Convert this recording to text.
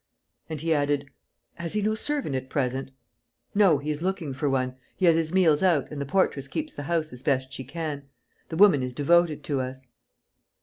And he added, "Has he no servant at present?" "No, he is looking for one. He has his meals out and the portress keeps the house as best she can. The woman is devoted to us...."